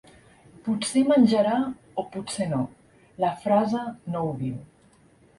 Potser menjarà o potser no, la frase no ho diu.